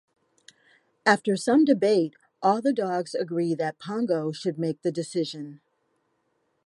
After some debate, all the dogs agree that Pongo should make the decision.